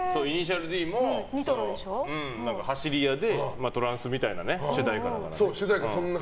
「頭文字Ｄ」も走り屋でトランスみたいな主題歌だから。